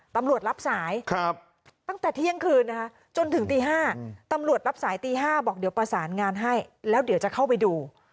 ตำรวจรับสายตั้งแต่เที่ยงคืนนะคะจนถึงตี๕ตำรวจรับสายตี๕บอกเดี๋ยวประสานงานให้แล้วเดี๋ยวจะเข้าไปดู